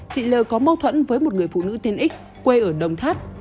chị t d l có mâu thuẫn với một người phụ nữ tên x quê ở đông tháp